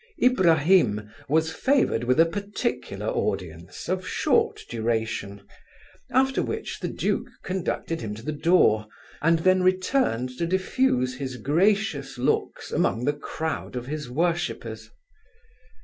Ibrahim was favoured with a particular audience of short duration; after which the duke conducted him to the door, and then returned to diffuse his gracious looks among the crowd of his worshippers.